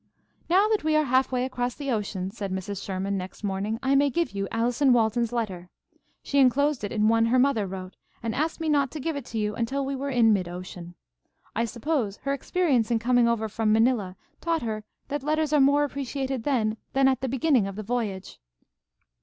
"Now that we are half way across the ocean," said Mrs. Sherman, next morning, "I may give you Allison Walton's letter. She enclosed it in one her mother wrote, and asked me not to give it to you until we were in mid ocean. I suppose her experience in coming over from Manila taught her that letters are more appreciated then than at the beginning of the voyage."